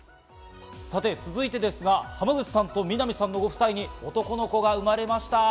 続いてですが、濱口さんと南さんのご夫妻に男の子が生まれました。